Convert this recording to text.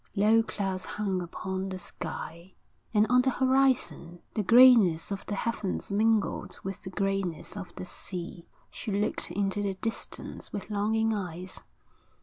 Low clouds hung upon the sky, and on the horizon the greyness of the heavens mingled with the greyness of the sea. She looked into the distance with longing eyes.